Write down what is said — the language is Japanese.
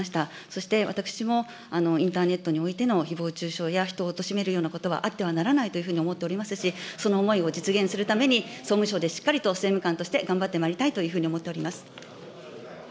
そして私もインターネットにおいてのひぼう中傷や人をおとしめるようなことはあってはならないというふうに思っておりますし、その思いを実現するために、総務省でしっかりと政務官として頑張ってまいりたいというふうに思っております。